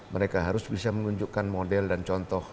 mereka harus bisa menunjukkan model dan contoh